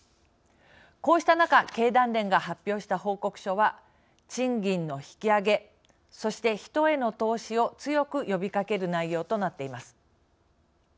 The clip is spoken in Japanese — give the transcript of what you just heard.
こうした中経団連が発表した報告書は賃金の引き上げそして人への投資を強く呼びかける内容となっています。